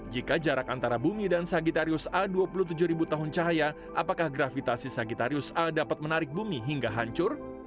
jika jarak antara bumi dan sagitarius a dua puluh tujuh ribu tahun cahaya apakah gravitasi sagitarius a dapat menarik bumi hingga hancur